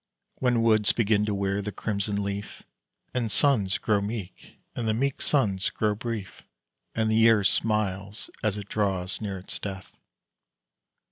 When woods begin to wear the crimson leaf, And suns grow meek, and the meek suns grow brief, And the year smiles as it draws near its death.